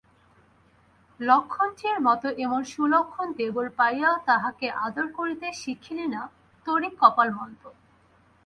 লক্ষ্মণটির মতোএমন সুলক্ষণ দেবর পাইয়াও তাহাকে আদর করিতে শিখিলি না–তোরই কপাল মন্দ।